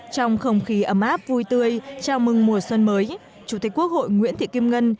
trong không khí ấm áp vui tươi chào mừng mùa xuân mới chủ tịch quốc hội nguyễn thị kim ngân